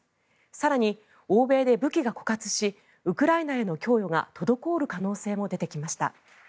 更に、欧米で武器が枯渇しウクライナへの供与が滞る可能性も出てきました。